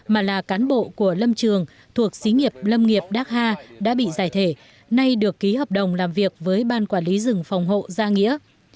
mà là cán bộ của lâm trường thuộc xí nghiệp lâm nghiệp đắc hà đã bị giải thể nay được ký hợp đồng làm việc với ban quản lý rừng phòng hộ gia nghĩa